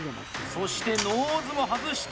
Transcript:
そして、ノーズも外した。